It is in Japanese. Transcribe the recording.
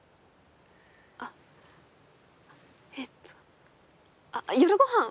あえっとあっ夜ごはん